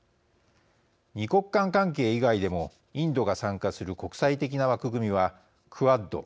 ２国間関係以外でもインドが参加する国際的な枠組みは、クアッド